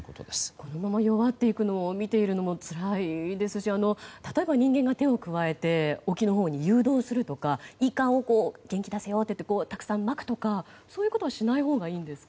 このまま弱っていくのを見ていくのもつらいですし例えば人間が手を加えて沖のほうに誘導するとかイカを元気出せよってたくさんまくとかそういうことはしないほうがいいんですか。